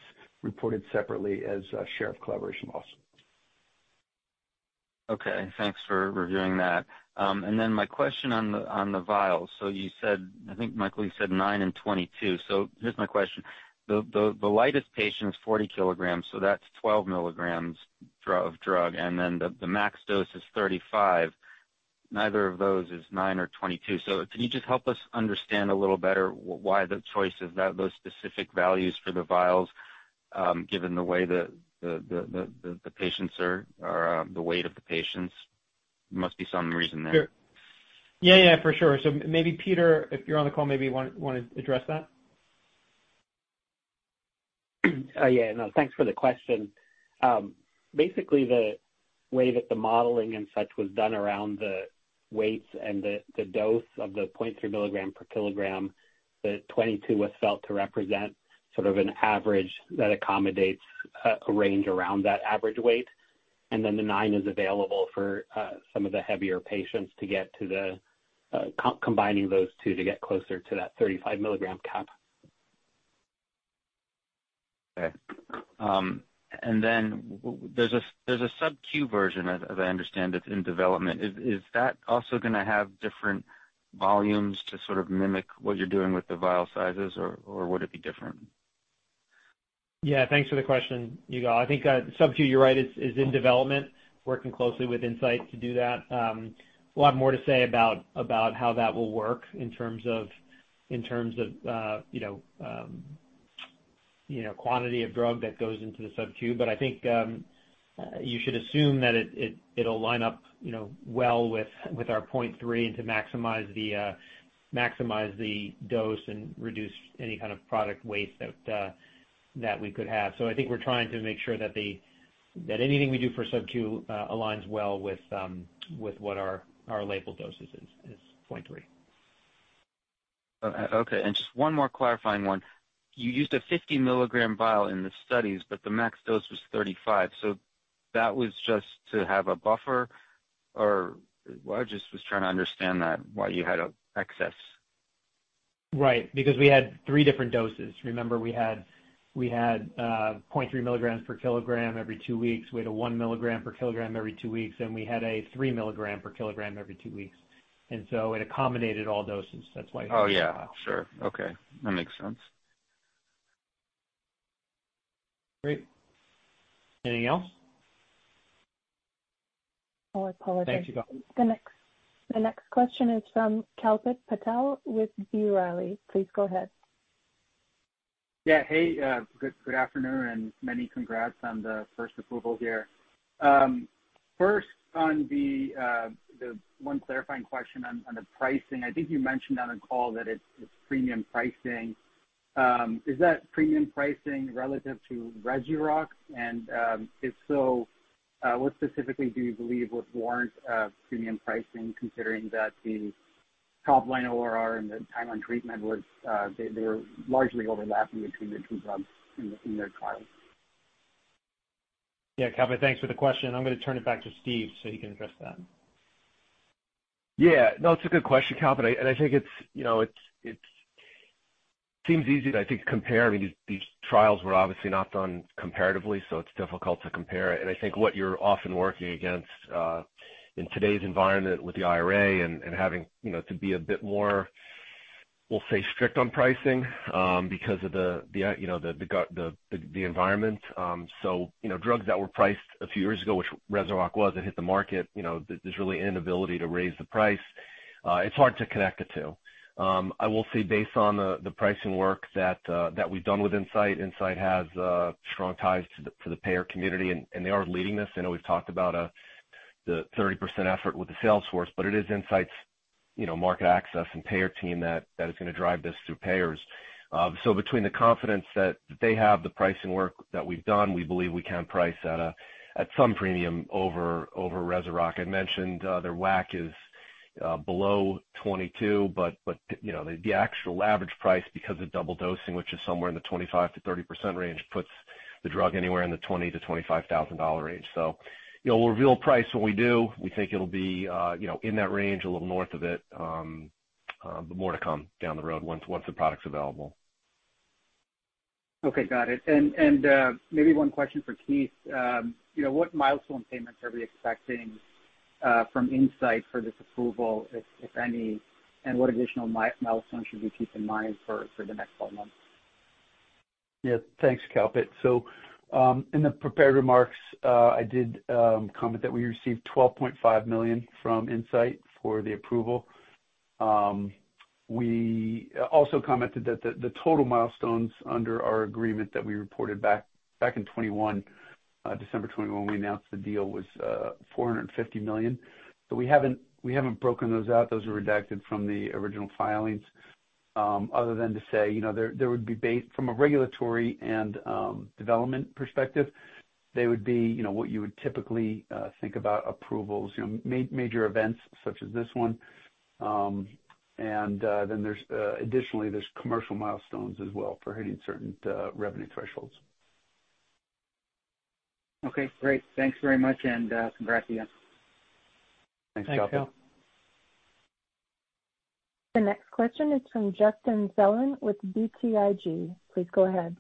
reported separately as, share of collaboration loss. Okay. Thanks for reviewing that. And then my question on the vials. So you said, I think Michael, you said 9 and 22. So here's my question: The lightest patient is 40kg, so that's 12mg of drug, and then the max dose is 35. Neither of those is 9 or 22. So can you just help us understand a little better why the choice of those specific values for the vials, given the way the patients are, or the weight of the patients? There must be some reason there. Yeah, yeah, for sure. So maybe, Peter, if you're on the call, maybe you want, want to address that? Yeah, no, thanks for the question. Basically, the way that the modeling and such was done around the weights and the dose of the 0.3 milligram per kilogram, the 22 was felt to represent sort of an average that accommodates a range around that average weight. And then the 9 is available for some of the heavier patients to get to the combining those two to get closer to that 35mg cap. Okay. And then there's a sub-Q version, as I understand, that's in development. Is that also going to have different volumes to sort of mimic what you're doing with the vial sizes, or would it be different? Yeah, thanks for the question, Yigal. I think sub-Q, you're right, is in development, working closely with Incyte to do that. A lot more to say about how that will work in terms of you know quantity of drug that goes into the sub-Q. But I think you should assume that it'll line up you know well with our 0.3 to maximize the dose and reduce any kind of product waste that we could have. So I think we're trying to make sure that anything we do for sub-Q aligns well with what our label doses is 0.3. Okay, and just one more clarifying one. You used a 50-mg vial in the studies, but the max dose was 35, so that was just to have a buffer, or what? I just was trying to understand that, why you had an excess. Right, because we had 3 different doses. Remember, we had, we had, 0.3mg/kg every 2 weeks. We had a 1mg/kg every 2 weeks, and we had a 3 mg/kg every 2 weeks. And so it accommodated all doses. That's why- Oh, yeah. Sure. Okay, that makes sense. Great. Anything else? Oh, I apologize. Thank you. The next question is from Kalpit Patel with B. Riley. Please go ahead. Yeah. Hey, good, good afternoon and many congrats on the first approval here. First, on the one clarifying question on the pricing. I think you mentioned on the call that it's premium pricing. Is that premium pricing relative to Reslirock? And, if so, what specifically do you believe would warrant a premium pricing, considering that the top line ORR and the time on treatment were largely overlapping between the two drugs in their trials? Yeah, Kalpit, thanks for the question. I'm going to turn it back to Steve so he can address that. Yeah. No, it's a good question, Kalpit, and I think it's, you know, seems easy to, I think, compare. I mean, these trials were obviously not done comparatively, so it's difficult to compare it. And I think what you're often working against in today's environment with the IRA and having, you know, to be a bit more, we'll say, strict on pricing because of the environment. So, you know, drugs that were priced a few years ago, which Rezurock was, it hit the market, you know, there's really an inability to raise the price. it's hard to connect the two. I will say based on the pricing work that we've done with Incyte, Incyte has strong ties to the payer community, and they are leading this. I know we've talked about the 30% effort with the sales force, but it is Incyte's, you know, market access and payer team that is gonna drive this through payers. So between the confidence that they have, the pricing work that we've done, we believe we can price at some premium over Rezurock. I mentioned their WAC is below $22, but you know, the actual average price, because of double dosing, which is somewhere in the 25-30% range, puts the drug anywhere in the $20,000-25,000 range. So, you know, we'll reveal price when we do. We think it'll be, you know, in that range, a little north of it, but more to come down the road once the product's available. Okay, got it. Maybe one question for Keith. You know, what milestone payments are we expecting from Incyte for this approval, if any? And what additional milestones should we keep in mind for the next 12 months? Yeah. Thanks, Kalpit. So, in the prepared remarks, I did comment that we received $12.5 million from Incyte for the approval. We also commented that the total milestones under our agreement that we reported back in 2021, December 2021, when we announced the deal, was $450 million. But we haven't broken those out. Those were redacted from the original filings. Other than to say, you know, there would be from a regulatory and development perspective, they would be, you know, what you would typically think about approvals, you know, major events such as this one. And then there's additionally, there's commercial milestones as well for hitting certain revenue thresholds. Okay, great. Thanks very much, and congrats again. Thanks, Kalpit. Thanks, Keith. The next question is from Justin Zelin with BTIG. Please go ahead.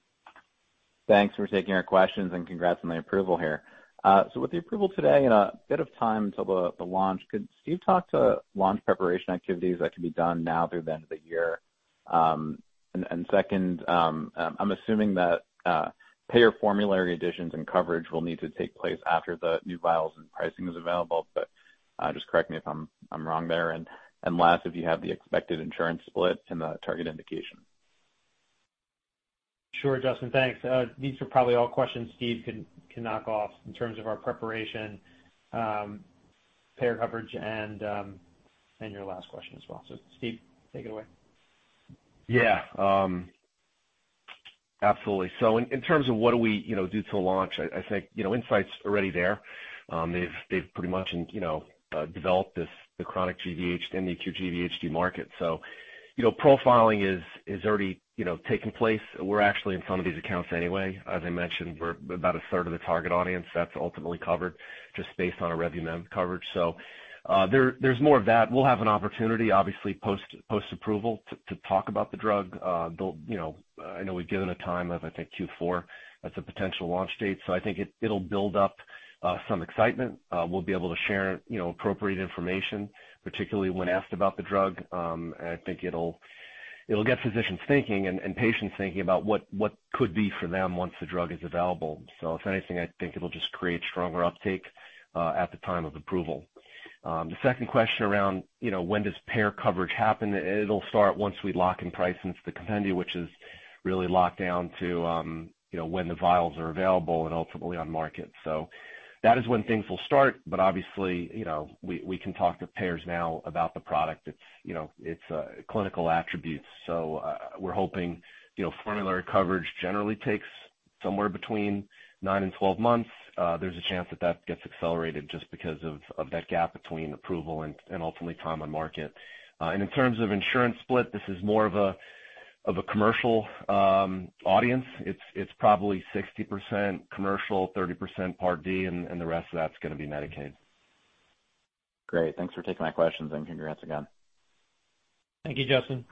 Thanks for taking our questions, and congrats on the approval here. So with the approval today and a bit of time until the launch, could Steve talk to launch preparation activities that can be done now through the end of the year? And second, I'm assuming that payer formulary additions and coverage will need to take place after the new vials and pricing is available, but just correct me if I'm wrong there. And last, if you have the expected insurance split and the target indication. Sure, Justin, thanks. These are probably all questions Steve can knock off in terms of our preparation, payer coverage, and your last question as well. So, Steve, take it away. Yeah, absolutely. So in terms of what do we, you know, do till launch, I think, you know, Incyte's already there. They've pretty much, you know, developed this, the chronic GVHD, cGVHD market. So, you know, profiling is already, you know, taking place. We're actually in some of these accounts anyway. As I mentioned, we're about a third of the target audience that's ultimately covered just based on a Revlimid coverage. So, there's more of that. We'll have an opportunity, obviously, post-approval to talk about the drug. They'll... You know, I know we've given a time of, I think, Q4 as a potential launch date, so I think it'll build up some excitement. We'll be able to share, you know, appropriate information, particularly when asked about the drug. And I think it'll get physicians thinking and patients thinking about what could be for them once the drug is available. So if anything, I think it'll just create stronger uptake at the time of approval. The second question around, you know, when does payer coverage happen? It'll start once we lock in price into the compendia, which is really locked down to, you know, when the vials are available and ultimately on market. So that is when things will start, but obviously, you know, we can talk to payers now about the product. It's, you know, it's clinical attributes. So, we're hoping, you know, formulary coverage generally takes somewhere between 9-12 months. There's a chance that that gets accelerated just because of that gap between approval and ultimately time on market. And in terms of insurance split, this is more of a commercial audience. It's probably 60% commercial, 30% Part D, and the rest of that's gonna be Medicaid. Great. Thanks for taking my questions, and congrats again. Thank you, Justin.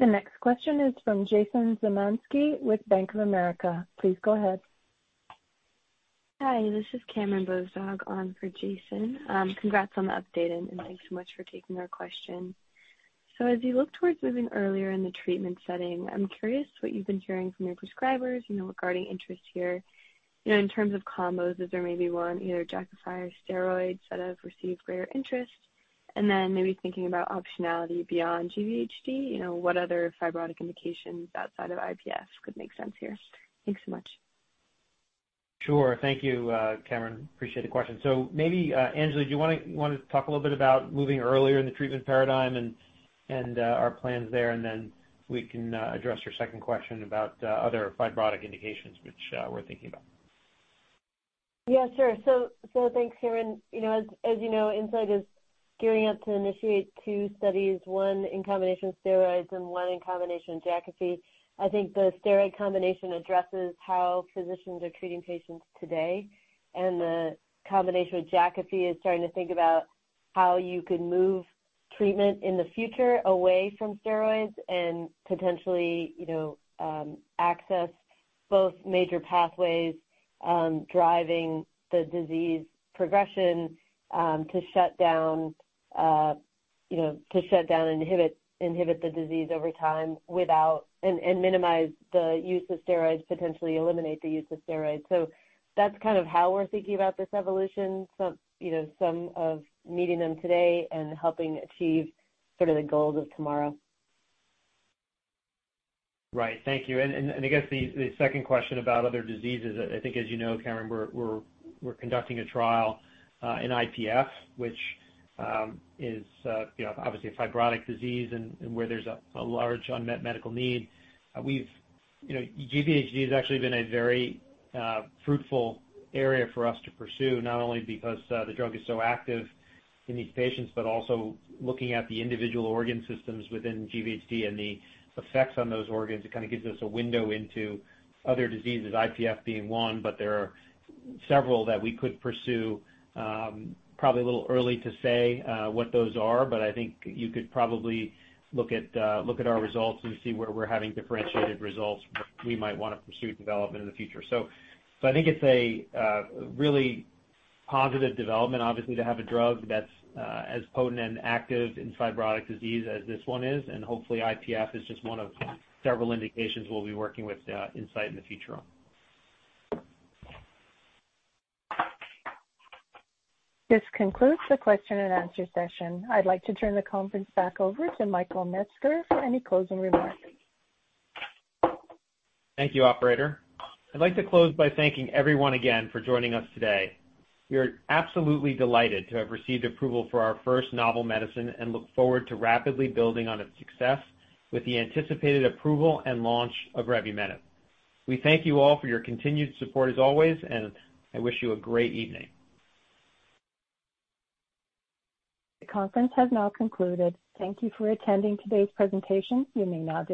The next question is from Jason Zemansky with Bank of America. Please go ahead. Hi, this is Cameron Bozdog on for Jason. Congrats on the update, and thanks so much for taking our question. So as you look towards moving earlier in the treatment setting, I'm curious what you've been hearing from your prescribers, you know, regarding interest here. You know, in terms of combos, is there maybe one, either Jakafi or steroids that have received greater interest? And then maybe thinking about optionality beyond GVHD, you know, what other fibrotic indications outside of IPF could make sense here? Thanks so much. Sure. Thank you, Cameron. Appreciate the question. So maybe, Anjali, do you want to talk a little bit about moving earlier in the treatment paradigm and our plans there? And then we can address your second question about other fibrotic indications, which we're thinking about. Yeah, sure. So, so thanks, Cameron. You know, as, as you know, Incyte is gearing up to initiate two studies, one in combination with steroids and one in combination with Jakafi. I think the steroid combination addresses how physicians are treating patients today, and the combination with Jakafi is starting to think about how you could move treatment in the future away from steroids and potentially, you know, access both major pathways, driving the disease progression, to shut down, you know, to shut down and inhibit, inhibit the disease over time without and, and minimize the use of steroids, potentially eliminate the use of steroids. So that's kind of how we're thinking about this evolution. Some, you know, some of meeting them today and helping achieve sort of the goals of tomorrow. Right. Thank you. And I guess the second question about other diseases, I think, as you know, Cameron, we're conducting a trial in IPF, which is, you know, obviously a fibrotic disease and where there's a large unmet medical need. You know, GVHD has actually been a very fruitful area for us to pursue, not only because the drug is so active in these patients, but also looking at the individual organ systems within GVHD and the effects on those organs. It kind of gives us a window into other diseases, IPF being one, but there are several that we could pursue. Probably a little early to say what those are, but I think you could probably look at, look at our results and see where we're having differentiated results, where we might wanna pursue development in the future. So, I think it's a really positive development, obviously, to have a drug that's as potent and active in fibrotic disease as this one is, and hopefully IPF is just one of several indications we'll be working with, Incyte in the future on. This concludes the question and answer session. I'd like to turn the conference back over to Michael Metzger for any closing remarks. Thank you, operator. I'd like to close by thanking everyone again for joining us today. We are absolutely delighted to have received approval for our first novel medicine and look forward to rapidly building on its success with the anticipated approval and launch of Rezorock. We thank you all for your continued support as always, and I wish you a great evening. The conference has now concluded. Thank you for attending today's presentation. You may now disconnect.